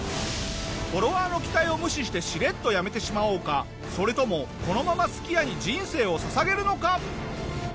フォロワーの期待を無視してしれっとやめてしまおうかそれともこのまますき家に人生を捧げるのか？